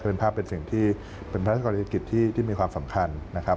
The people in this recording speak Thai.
เป็นภาพเป็นสิ่งที่เป็นพระราชกรณีกิจที่มีความสำคัญนะครับ